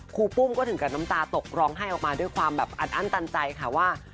รูปุ้มก็ถึงกับน้ำตาตกร้องไห้ออกมาด้วยความแบบอัดอั้นตันใจค่ะว่า